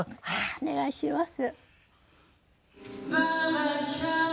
お願いします。